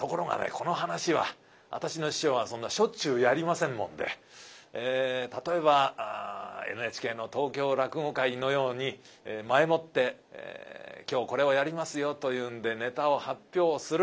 この噺は私の師匠はそんなしょっちゅうやりませんもんで例えばＮＨＫの東京落語会のように前もって今日これをやりますよというんでネタを発表する。